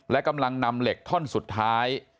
และกำลังนำเหล็กท่อนสุดท้าย